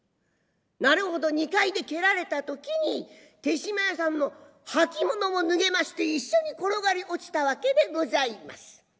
なるほど２階で蹴られた時に豊島屋さんの履物も脱げまして一緒に転がり落ちたわけでございます。